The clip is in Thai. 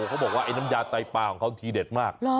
เขาเข้าบอกว่าน้ำยาไตปลาที่เขาเด็ดมาก